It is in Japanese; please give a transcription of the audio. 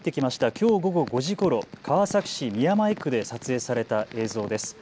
きょう午後５時ごろ、川崎市宮前区で撮影された映像です。